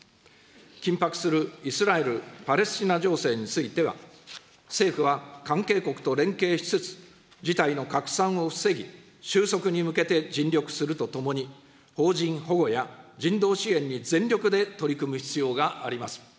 緊迫するイスラエル・パレスチナ情勢については、政府は関係国と連携しつつ、事態の拡散を防ぎ、収束に向けて尽力するとともに、邦人保護や人道支援に全力で取り組む必要があります。